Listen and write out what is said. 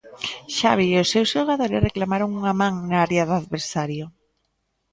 Xavi e os seus xogadores reclamaron unha man na área do adversario.